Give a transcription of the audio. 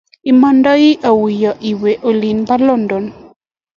Imandai auyo iwe olin po London?